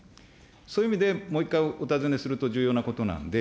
そういう意味で、もう一回お尋ねすると、重要なことなんで。